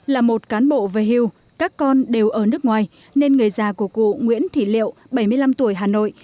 là một cán bộ về hưu các con đều ở nước ngoài nên người già của cụ nguyễn thị liệu bảy mươi năm tuổi hà nội